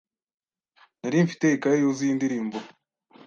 Nari mfite ikayi yuzuye indirimbo